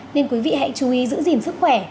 nên quý vị hãy chú ý giữ gìn sức khỏe